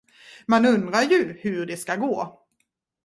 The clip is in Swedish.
Man undrar ju hur det ska gå.